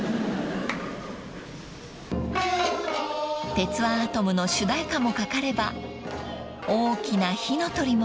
［『鉄腕アトム』の主題歌もかかれば大きな火の鳥も］